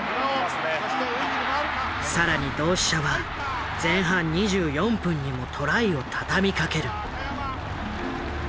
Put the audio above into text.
更に同志社は前半２４分にもトライを畳みかける。